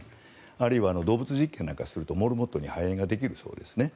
あるいは動物実験なんかするとモルモットに肺炎ができるそうですね。